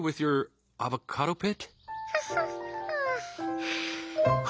ハハッハ。